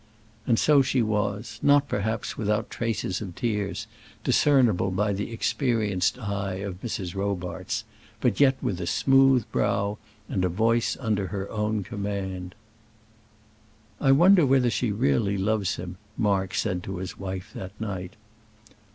And so she was; not, perhaps, without traces of tears, discernible by the experienced eye of Mrs. Robarts, but yet with a smooth brow, and voice under her own command. "I wonder whether she really loves him," Mark said to his wife that night.